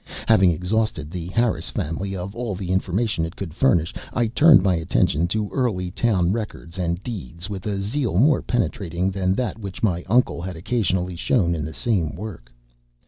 Having exhausted the Harris family of all the information it could furnish, I turned my attention to early town records and deeds with a zeal more penetrating than that which my uncle had occasionally shown in the same work.